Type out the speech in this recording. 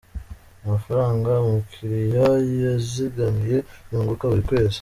Amafaranga umukiriya yizigamiye yunguka buri kwezi.